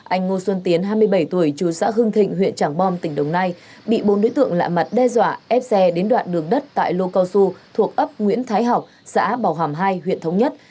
anh ngô xuân tiến hai mươi bảy tuổi chú xã hưng thịnh huyện trảng bom tỉnh đồng nai bị bốn đối tượng lạ mặt đe dọa ép xe đến đoạn đường đất tại lô cao su thuộc ấp nguyễn thái học xã bảo hàm hai huyện thống nhất